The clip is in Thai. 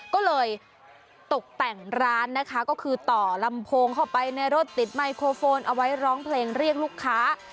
ก็เลยตกแต่งร้านนะคะก็คือต่อลำโพงเข้าไปในรถติดไมโครโฟนเอาไว้ร้องเพลงเรียกลูกค้า